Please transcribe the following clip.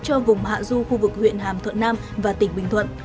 cho vùng hạ du khu vực huyện hàm thuận nam và tỉnh bình thuận